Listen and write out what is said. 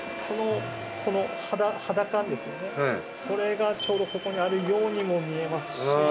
これがちょうどここにあるようにも見えますし。